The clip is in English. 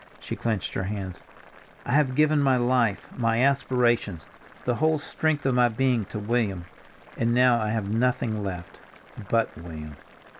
She clenched her hands. "I have given my life, my aspirations, the whole strength of my being, to William, and now I have nothing left—but William."